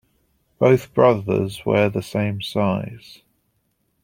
Both brothers wear the same size.